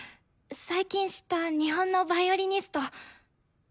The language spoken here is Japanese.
最近知った日本のヴァイオリニスト。